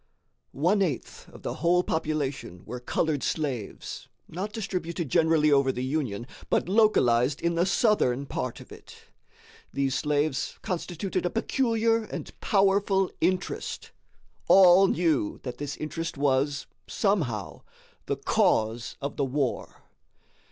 One eighth of the whole population were colored slaves, not distributed generally over the Union, but localized in the Southern part of it. These slaves constituted a peculiar and powerful interest. All knew that this interest was, somehow, the cause of the war.